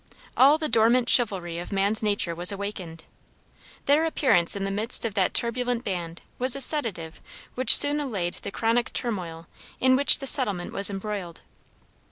All the dormant chivalry of man's nature was awakened. Their appearance in the midst of that turbulent band was a sedative which soon allayed the chronic turmoil in which the settlement was embroiled.